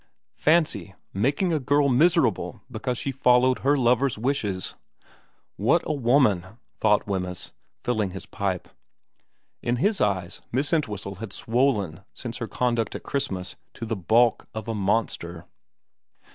Fancy making a girl miserable because she followed her lover's wishes 1 134 VERA xn What a woman, thought Wemyss, filling his pipe. In his eyes Miss Entwhistle had swollen since her conduct at Christmas to the bulk of a monster.